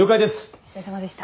お疲れさまでした。